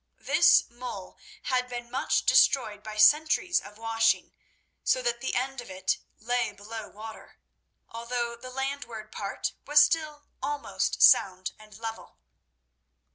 This mole had been much destroyed by centuries of washing, so that the end of it lay below water, although the landward part was still almost sound and level.